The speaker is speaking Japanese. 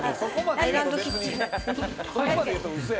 アイランドキッチン。